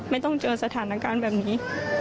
ไม่ต้องเจอสถานการณ์แบบนี้